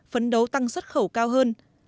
phấn đấu tăng xuất khẩu cao hơn